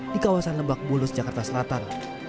di kawasan lebak bulus jakarta selatan